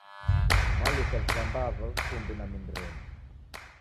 Mwalusha vitambaa va vifumbi na mindi yenyu.